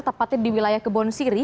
tepatnya di wilayah kebon siri